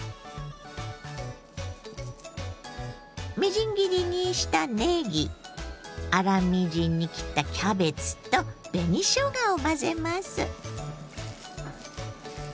みじん切りにしたねぎ粗みじんに切ったキャベツと紅しょうがを混ぜます。